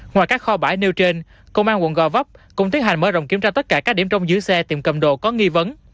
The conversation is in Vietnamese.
ngoài các kho bãi nêu trên công an quận gò vấp cũng tiến hành mở rộng kiểm tra tất cả các điểm trong giữ xe tiệm cầm đồ có nghi vấn